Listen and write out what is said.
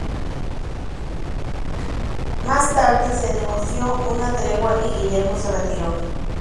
Más tarde, se negoció una tregua y Guillermo se retiró.